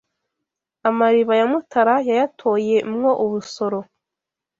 Amariba ya Mutara yayatoye mwo ubusoro